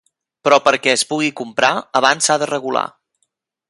Però perquè es pugui comprar, abans s’ha de regular.